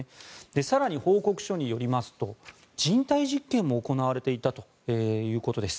更に、報告書によりますと人体実験も行われていたということです。